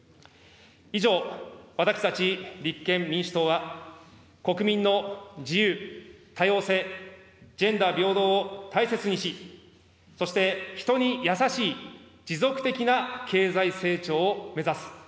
以上、私たち立憲民主党は、国民の自由、多様性、ジェンダー平等を大切にし、そして人に優しい持続的な経済成長を目指す。